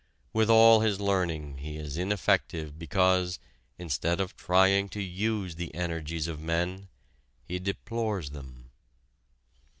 With all his learning he is ineffective because, instead of trying to use the energies of men, he deplores them.